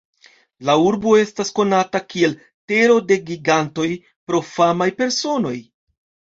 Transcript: La urbo estas konata kiel "Tero de Gigantoj" pro famaj personoj.